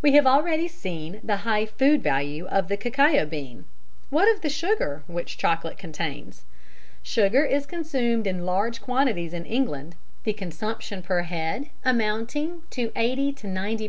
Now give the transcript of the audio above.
We have already seen the high food value of the cacao bean: what of the sugar which chocolate contains? Sugar is consumed in large quantities in England, the consumption per head amounting to 80 90 lbs.